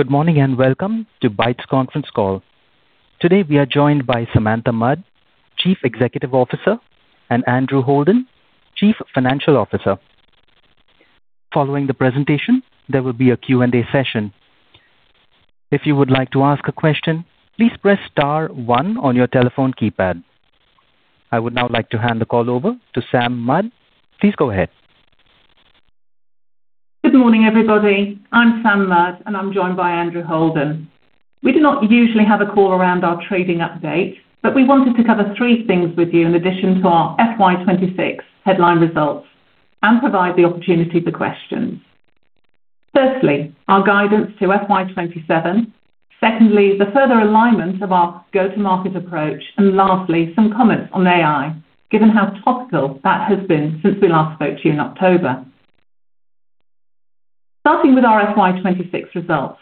Good morning, and welcome to Bytes conference call. Today we are joined by Samantha Mudd, Chief Executive Officer, and Andrew Holden, Chief Financial Officer. Following the presentation, there will be a Q&A session. If you would like to ask a question, please press star one on your telephone keypad. I would now like to hand the call over to Sam Mudd. Please go ahead. Good morning, everybody. I'm Sam Mudd, and I'm joined by Andrew Holden. We do not usually have a call around our trading update, but we wanted to cover three things with you in addition to our FY 2026 headline results and provide the opportunity for questions. Firstly, our guidance to FY 2027. Secondly, the further alignment of our go-to-market approach. Lastly, some comments on AI, given how topical that has been since we last spoke to you in October. Starting with our FY 2026 results.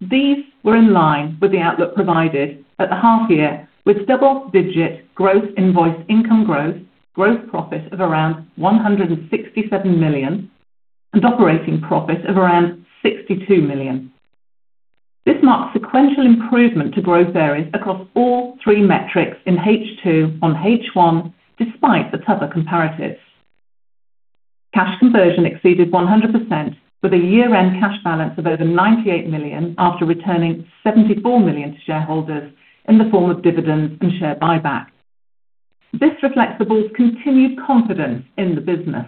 These were in line with the outlook provided at the half year, with double-digit invoiced income growth, gross profit of around 167 million, and operating profit of around 62 million. This marks sequential improvement in growth and margins across all three metrics in H2 versus H1, despite the tougher comparatives. Cash conversion exceeded 100% with a year-end cash balance of over 98 million after returning 74 million to shareholders in the form of dividends and share buybacks. This reflects the board's continued confidence in the business.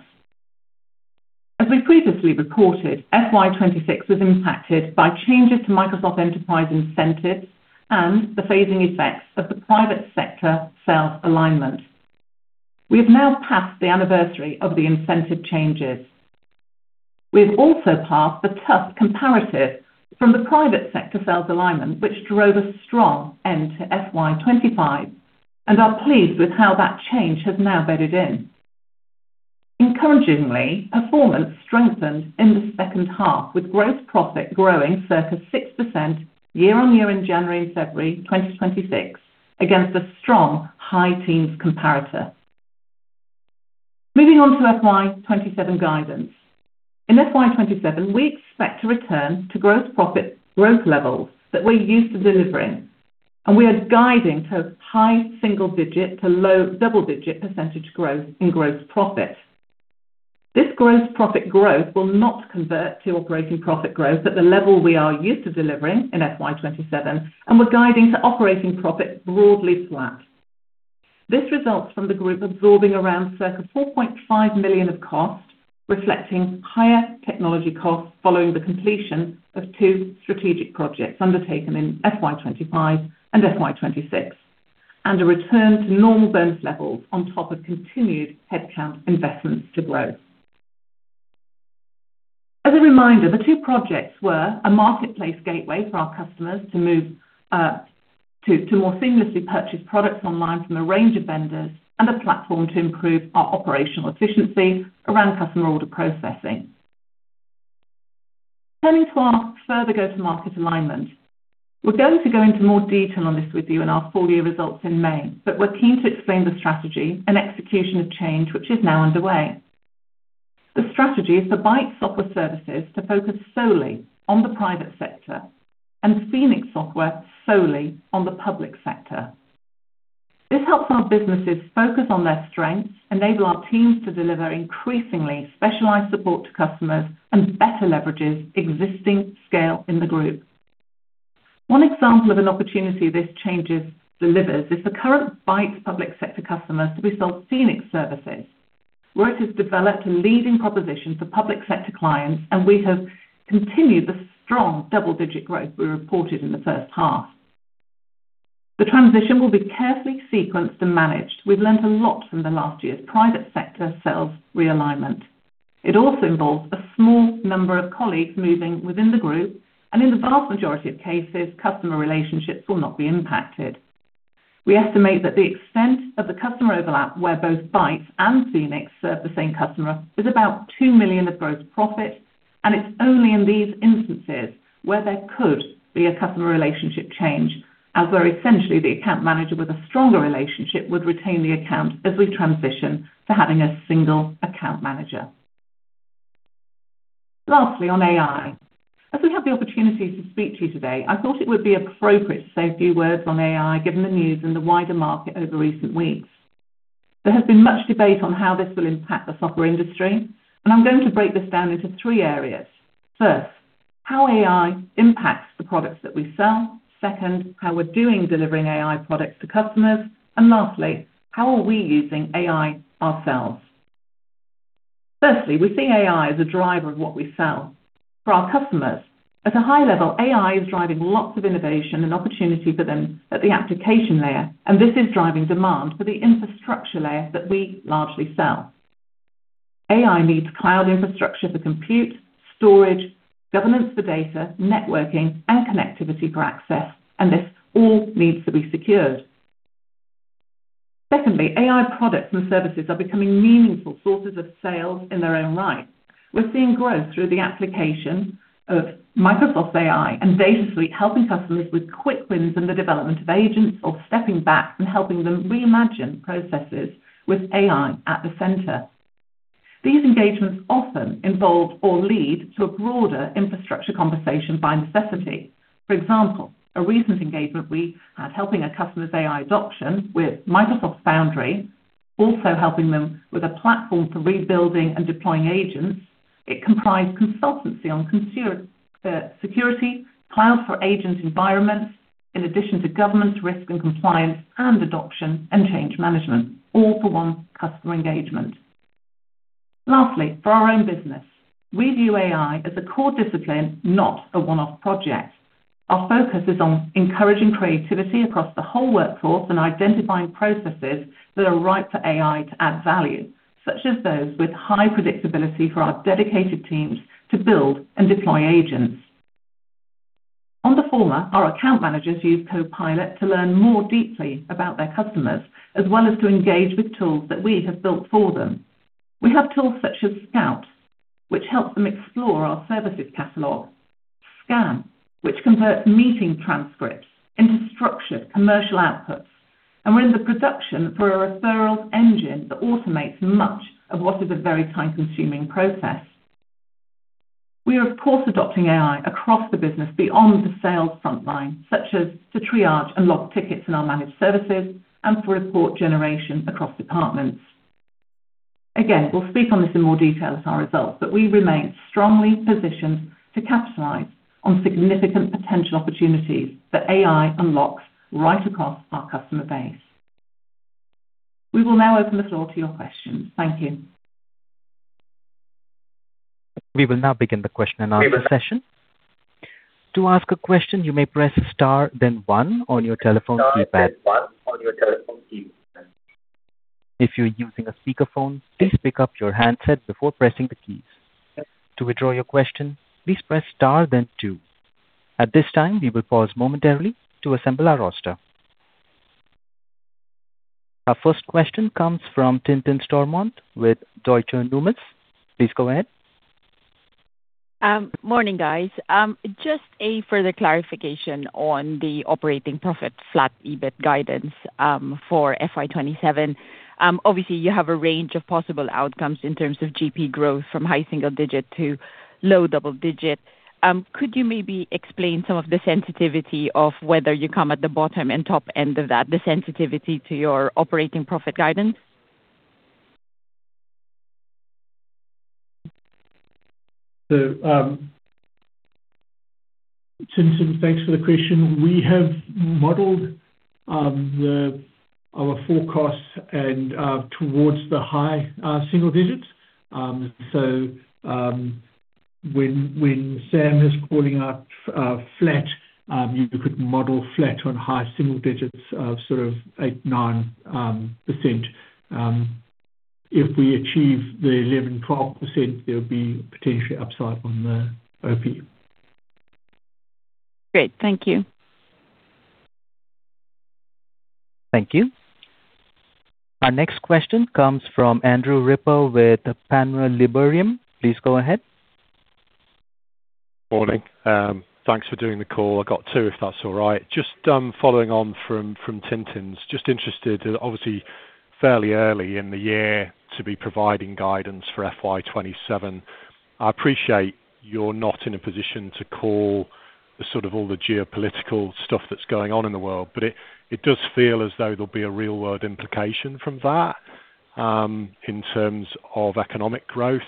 As we previously reported, FY 2026 was impacted by changes to Microsoft enterprise incentives and the phasing effects of the private sector sales alignment. We have now passed the anniversary of the incentive changes. We have also passed the tough comparatives from the private sector sales alignment, which drove a strong end to FY 2025 and are pleased with how that change has now bedded in. Encouragingly, performance strengthened in the second half, with gross profit growing circa 6% year-on-year in January and February 2026 against a strong high teens comparator. Moving on to FY 2027 guidance. In FY 2027, we expect to return to gross profit growth levels that we're used to delivering, and we are guiding to high single-digit to low double-digit percentage growth in gross profit. This gross profit growth will not convert to operating profit growth at the level we are used to delivering in FY 2027, and we're guiding to operating profit broadly flat. This results from the group absorbing around circa 4.5 million of costs, reflecting higher technology costs following the completion of two strategic projects undertaken in FY 2025 and FY 2026 and a return to normal bonus levels on top of continued headcount investments to grow. As a reminder, the two projects were a marketplace gateway for our customers to more seamlessly purchase products online from a range of vendors and a platform to improve our operational efficiency around customer order processing. Turning to our further go-to-market alignment. We're going to go into more detail on this with you in our full year results in May, but we're keen to explain the strategy and execution of change, which is now underway. The strategy is for Bytes Software Services to focus solely on the private sector and Phoenix Software solely on the public sector. This helps our businesses focus on their strengths, enable our teams to deliver increasingly specialized support to customers, and better leverages existing scale in the group. One example of an opportunity this delivers is the current Bytes public sector customers to be sold Phoenix services, where it has developed a leading proposition for public sector clients, and we have continued the strong double-digit growth we reported in the first half. The transition will be carefully sequenced and managed. We've learned a lot from last year's private sector sales realignment. It also involves a small number of colleagues moving within the group, and in the vast majority of cases, customer relationships will not be impacted. We estimate that the extent of the customer overlap where both Bytes and Phoenix serve the same customer is about 2 million of gross profit, and it's only in these instances where there could be a customer relationship change, as where essentially the account manager with a stronger relationship would retain the account as we transition to having a single account manager. Lastly on AI. As we have the opportunity to speak to you today, I thought it would be appropriate to say a few words on AI, given the news in the wider market over recent weeks. There has been much debate on how this will impact the software industry, and I'm going to break this down into three areas. First, how AI impacts the products that we sell. Second, how we're doing delivering AI products to customers. Lastly, how are we using AI ourselves. Firstly, we see AI as a driver of what we sell. For our customers, at a high level, AI is driving lots of innovation and opportunity for them at the application layer, and this is driving demand for the infrastructure layer that we largely sell. AI needs cloud infrastructure for compute, storage, governance for data, networking, and connectivity for access, and this all needs to be secured. Secondly, AI products and services are becoming meaningful sources of sales in their own right. We're seeing growth through the application of Microsoft AI and Data Suite, helping customers with quick wins in the development of agents or stepping back and helping them reimagine processes with AI at the center. These engagements often involve or lead to a broader infrastructure conversation by necessity. For example, a recent engagement we had helping a customer's AI adoption with Microsoft Foundry, also helping them with a platform for rebuilding and deploying agents. It comprised consultancy on compute security, cloud for agent environments, in addition to governance risk and compliance and adoption and change management, all for one customer engagement. Lastly, for our own business, we view AI as a core discipline, not a one-off project. Our focus is on encouraging creativity across the whole workforce and identifying processes that are right for AI to add value, such as those with high predictability for our dedicated teams to build and deploy agents. On the former, our account managers use Copilot to learn more deeply about their customers, as well as to engage with tools that we have built for them. We have tools such as Scout, which helps them explore our services catalog, Scan, which converts meeting transcripts into structured commercial outputs, and we're in production for a referral engine that automates much of what is a very time-consuming process. We are, of course, adopting AI across the business beyond the sales frontline, such as to triage and log tickets in our managed services and for report generation across departments. Again, we'll speak on this in more detail as our results, but we remain strongly positioned to capitalize on significant potential opportunities that AI unlocks right across our customer base. We will now open the floor to your questions. Thank you. We will now begin the question and answer session. To ask a question, you may press star then one on your telephone keypad. If you're using a speakerphone, please pick up your handset before pressing the keys. To withdraw your question, please press star then two. At this time, we will pause momentarily to assemble our roster. Our first question comes from Tintin Stormont with Deutsche Numis. Please go ahead. Morning, guys. Just a further clarification on the operating profit flat EBIT guidance for FY 2027. Obviously, you have a range of possible outcomes in terms of GP growth from high single-digit to low double-digit. Could you maybe explain some of the sensitivity of whether you come at the bottom and top end of that, the sensitivity to your operating profit guidance? Tintin, thanks for the question. We have modeled our forecasts toward the high single digits. When Sam is calling out flat, you could model flat to high single digits of sort of 8%-9%. If we achieve the 11%-12%, there'll be potential upside on the OP. Great. Thank you. Thank you. Our next question comes from Andrew Ripper with Panmure Liberum. Please go ahead. Morning. Thanks for doing the call. I've got two, if that's all right. Just following on from Tintin. Just interested, obviously fairly early in the year to be providing guidance for FY 2027. I appreciate you're not in a position to call the sort of all the geopolitical stuff that's going on in the world, but it does feel as though there'll be a real world implication from that in terms of economic growth.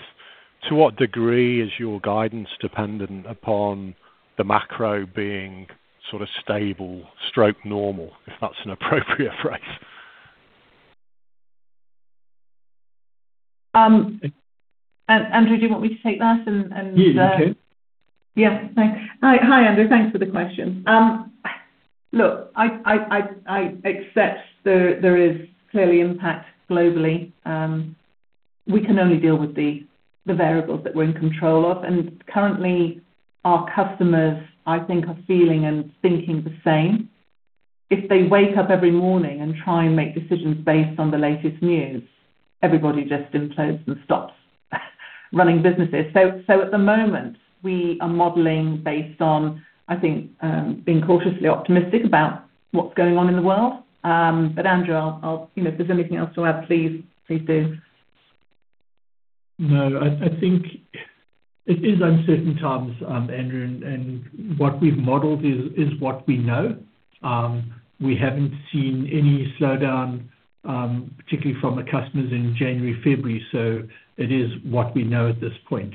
To what degree is your guidance dependent upon the macro being sort of stable stroke normal, if that's an appropriate phrase? Andrew, do you want me to take that and Yeah, you can. Yeah. Thanks. Hi, Andrew. Thanks for the question. Look, I accept there is clearly impact globally. We can only deal with the variables that we're in control of. Currently our customers, I think, are feeling and thinking the same. If they wake up every morning and try and make decisions based on the latest news, everybody just implodes and stops running businesses. At the moment, we are modeling based on, I think, being cautiously optimistic about what's going on in the world. Andrew, I'll you know if there's anything else to add, please do. No, I think it is uncertain times, Andrew, and what we've modeled is what we know. We haven't seen any slowdown, particularly from the customers in January, February. It is what we know at this point.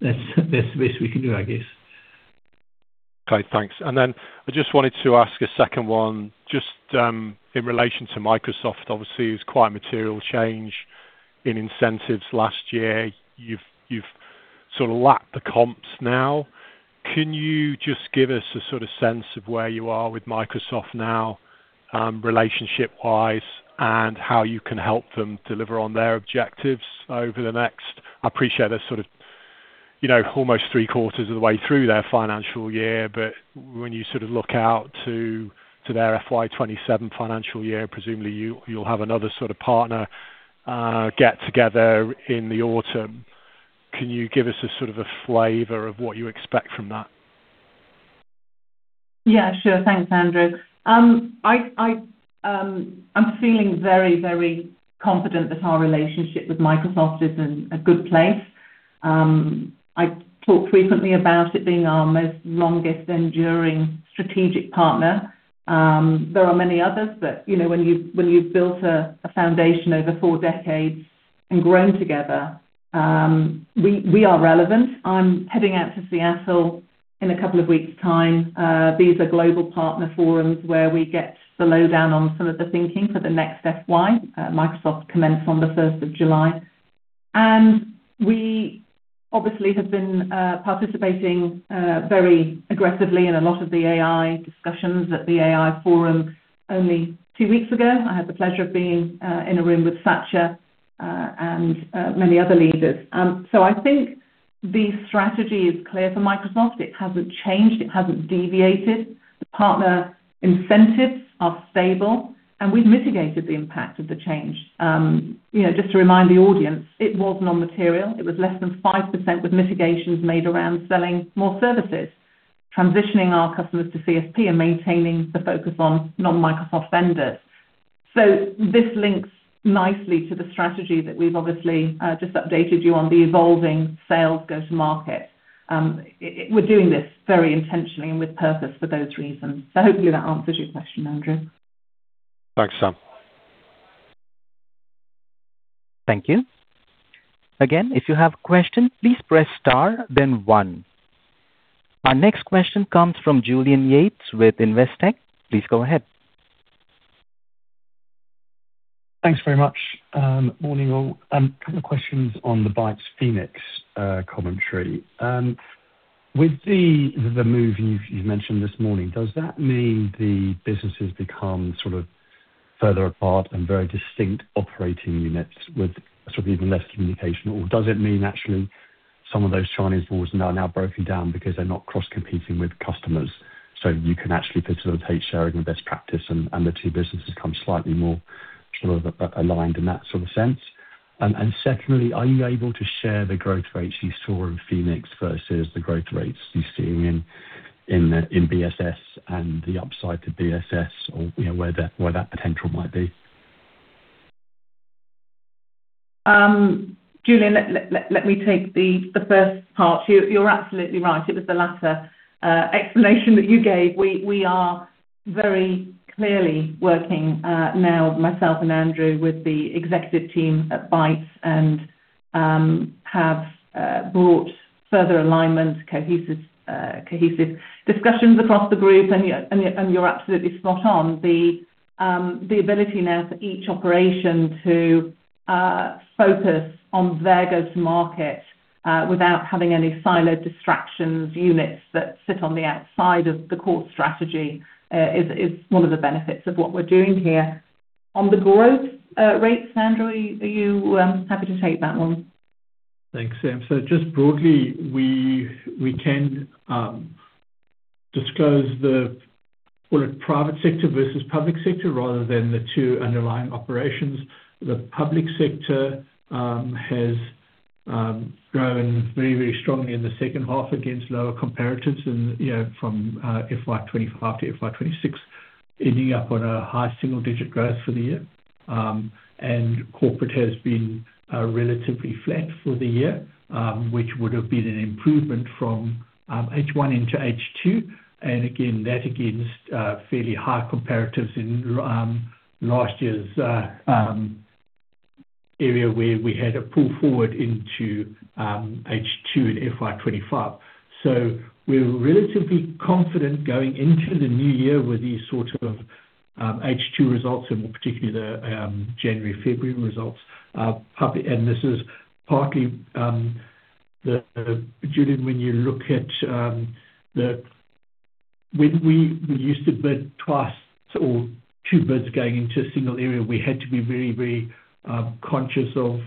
That's the best we can do, I guess. Okay, thanks. I just wanted to ask a second one, just, in relation to Microsoft, obviously, it was quite a material change in incentives last year. You've sort of lapped the comps now. Can you just give us a sort of sense of where you are with Microsoft now, relationship wise, and how you can help them deliver on their objectives over the next, I appreciate they're sort of, you know, almost three quarters of the way through their financial year. When you sort of look out to their FY 2027 financial year, presumably you'll have another sort of partner get together in the autumn. Can you give us a sort of a flavor of what you expect from that? Yeah, sure. Thanks, Andrew. I'm feeling very confident that our relationship with Microsoft is in a good place. I talk frequently about it being our most longest enduring strategic partner. There are many others that, you know, when you've built a foundation over four decades and grown together, we are relevant. I'm heading out to Seattle in a couple of weeks time. These are global partner forums where we get the lowdown on some of the thinking for the next FY. Microsoft commence on the first of July. We obviously have been participating very aggressively in a lot of the AI discussions at the AI forum only two weeks ago. I had the pleasure of being in a room with Satya and many other leaders. I think the strategy is clear for Microsoft. It hasn't changed, it hasn't deviated. The partner incentives are stable, and we've mitigated the impact of the change. You know, just to remind the audience, it was non-material. It was less than 5% with mitigations made around selling more services, transitioning our customers to CSP and maintaining the focus on non-Microsoft vendors. This links nicely to the strategy that we've obviously just updated you on the evolving sales go-to-market. We're doing this very intentionally and with purpose for those reasons. Hopefully that answers your question, Andrew. Thanks, Sam. Thank you. Again, if you have a question, please press star then one. Our next question comes from Julian Yates with Investec. Please go ahead. Thanks very much. Morning, all. Couple of questions on the Bytes Phoenix commentary. With the move you've mentioned this morning, does that mean the businesses become sort of further apart and very distinct operating units with sort of even less communication? Or does it mean actually some of those Chinese walls are now broken down because they're not cross-competing with customers, so you can actually facilitate sharing best practice and the two businesses become slightly more sort of aligned in that sort of sense? And secondly, are you able to share the growth rates you saw in Phoenix versus the growth rates you're seeing in BSS and the upside to BSS or, you know, where that potential might be? Julian, let me take the first part. You're absolutely right. It was the latter explanation that you gave. We are very clearly working now, myself and Andrew, with the executive team at Bytes and have brought further alignment, cohesive discussions across the group. You're absolutely spot on. The ability now for each operation to focus on their go-to-market without having any siloed distractions, units that sit on the outside of the core strategy, is one of the benefits of what we're doing here. On the growth rates, Andrew, are you happy to take that one? Thanks, Sam. Just broadly, we can disclose the, call it, private sector versus public sector rather than the two underlying operations. The public sector has grown very strongly in the second half against lower comparatives and, you know, from FY 2025 to FY 2026, ending up on a high single-digit growth for the year. Corporate has been relatively flat for the year, which would have been an improvement from H1 into H2. Again, that against fairly high comparatives in last year's area where we had a pull forward into H2 in FY 2025. We're relatively confident going into the new year with these sorts of H2 results, and more particularly the January, February results. This is partly, Julian, when you look at when we used to bid twice or two bids going into a single area, we had to be very conscious of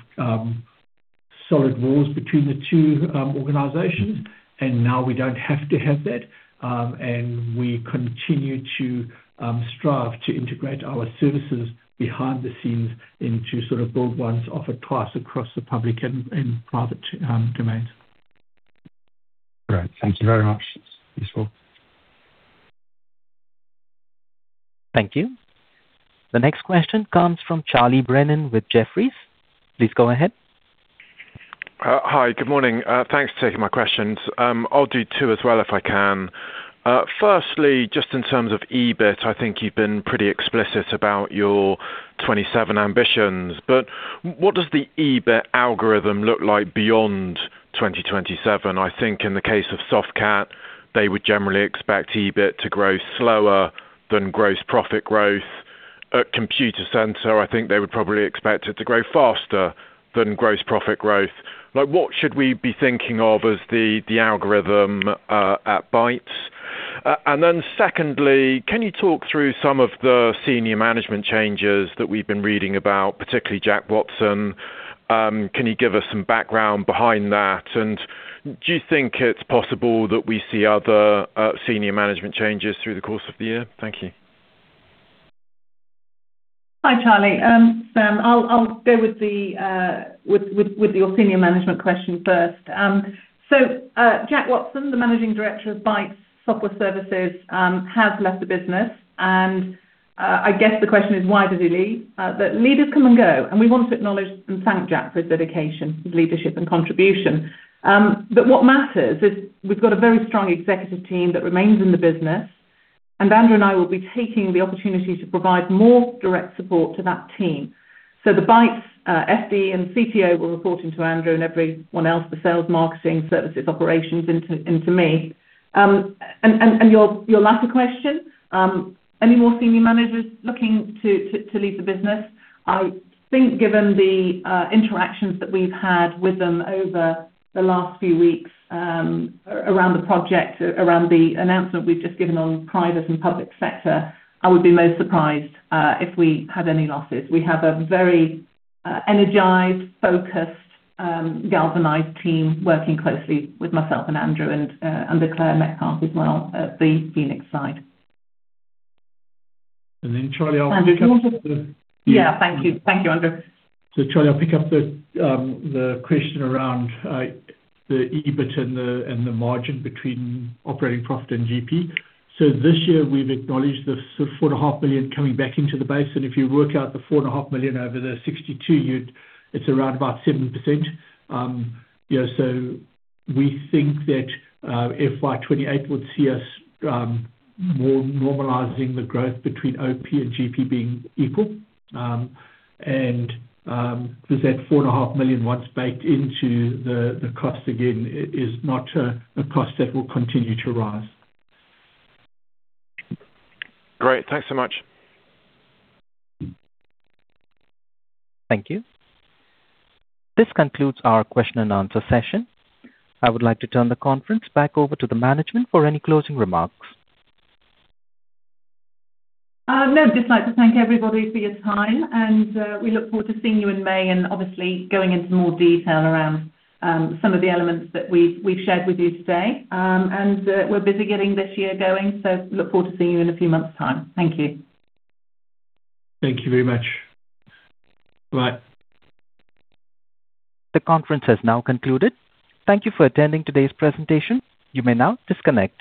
solid walls between the two organizations. Now we don't have to have that, and we continue to strive to integrate our services behind the scenes into sort of build once, offer twice across the public and private domains. Great. Thank you very much. Useful. Thank you. The next question comes from Charlie Brennan with Jefferies. Please go ahead. Hi. Good morning. Thanks for taking my questions. I'll do two as well if I can. Firstly, just in terms of EBIT, I think you've been pretty explicit about your 2027 ambitions. What does the EBIT algorithm look like beyond 2027? I think in the case of Softcat, they would generally expect EBIT to grow slower than gross profit growth. At Computacenter, I think they would probably expect it to grow faster than gross profit growth. Like, what should we be thinking of as the algorithm at Bytes? Secondly, can you talk through some of the senior management changes that we've been reading about, particularly Jack Watson? Can you give us some background behind that? Do you think it's possible that we see other senior management changes through the course of the year? Thank you. Hi, Charlie. Sam, I'll go with your senior management question first. Jack Watson, the Managing Director of Bytes Software Services, has left the business. I guess the question is why did he leave? Leaders come and go, and we want to acknowledge and thank Jack for his dedication, his leadership and contribution. What matters is we've got a very strong executive team that remains in the business. Andrew and I will be taking the opportunity to provide more direct support to that team. The Bytes FD and CTO will report into Andrew and everyone else, the sales, marketing, services, operations into me. Your latter question, any more senior managers looking to leave the business? I think given the interactions that we've had with them over the last few weeks, around the project, around the announcement we've just given on private and public sector, I would be most surprised if we had any losses. We have a very energized, focused, galvanized team working closely with myself and Andrew and under Clare Metcalfe as well at the Phoenix site. Charlie, I'll pick up the Yeah. Thank you. Thank you, Andrew. Charlie, I'll pick up the question around the EBIT and the margin between operating profit and GP. This year we've acknowledged the 4.5 million coming back into the base. If you work out the 4.5 million over the 62, you'd see it's around about 7%. We think that FY 2028 would see us more normalizing the growth between OP and GP being equal. There's that 4.5 million once baked into the cost again is not a cost that will continue to rise. Great. Thanks so much. Thank you. This concludes our question and answer session. I would like to turn the conference back over to the management for any closing remarks. No, I'd just like to thank everybody for your time and we look forward to seeing you in May and obviously going into more detail around some of the elements that we've shared with you today. We're busy getting this year going, so look forward to seeing you in a few months time. Thank you. Thank you very much. Bye. The conference has now concluded. Thank you for attending today's presentation. You may now disconnect.